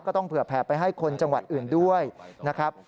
ต้องเผื่อแผ่ไปให้คนจังหวัดอื่นด้วยนะครับ